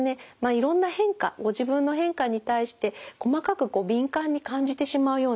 いろんな変化ご自分の変化に対して細かく敏感に感じてしまうような方。